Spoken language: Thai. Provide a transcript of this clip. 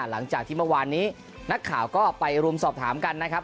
หลังจากที่เมื่อวานนี้นักข่าวก็ไปรุมสอบถามกันนะครับ